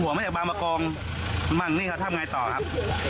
หรือว่านี่เขาทำอย่างไรต่อครับ